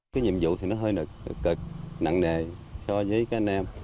cái nhiệm vụ thì nó hơi được cực nặng nề so với các anh em